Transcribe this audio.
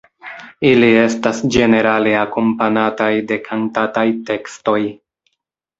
Ili estas ĝenerale akompanataj de kantataj tekstoj.